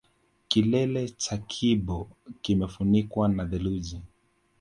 Kilele cha kibo kimefunikwa na theluji